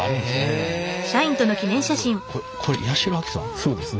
そうですね。